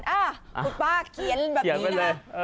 อ่ะคุณป้าเขียนแบบนี้นะ